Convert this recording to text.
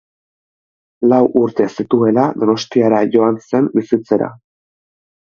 Lau urte zituela, Donostiara joan zen bizitzera.